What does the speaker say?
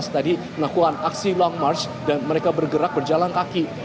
tadi melakukan aksi long march dan mereka bergerak berjalan kaki